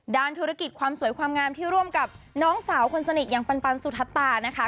ด้านธุรกิจความสวยความงามที่ร่วมกับน้องสาวคนสนิทอย่างปันสุธตานะคะ